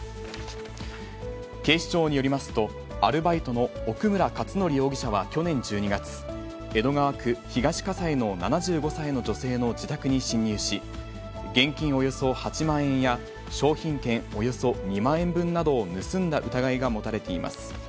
警視庁によりますと、アルバイトの奥村勝典容疑者は去年１２月、江戸川区東葛西の７５歳の女性の自宅に侵入し、現金およそ８万円や、商品券およそ２万円分などを盗んだ疑いが持たれています。